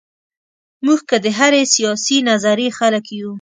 موږ که د هرې سیاسي نظریې خلک یو.